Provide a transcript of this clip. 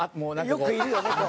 よくいるよねこう。